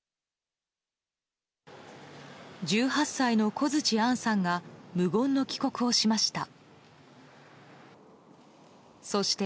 １８歳の小槌杏さんが無言の帰国をしました。